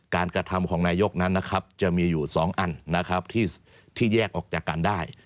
กระทำของนายกนั้นนะครับจะมีอยู่๒อันนะครับที่แยกออกจากกันได้